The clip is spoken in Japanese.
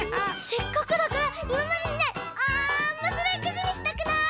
せっかくだからいままでにないおもしろいくじにしたくない？